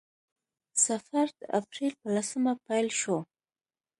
سفر د اپریل په لسمه پیل شو.